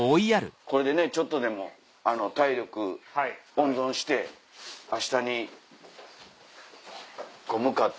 これでねちょっとでも体力温存して明日に向かって。